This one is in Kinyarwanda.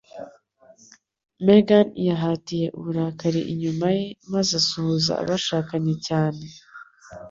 Megan yahatiye uburakari inyuma ye maze asuhuza abashakanye cyane.